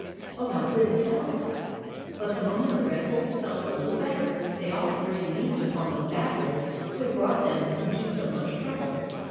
Oh, how good it felt ! But the moment the Red Wolves felt a little better, they all three leaped upon the Bad Wolf, who had brought them into so much trouble.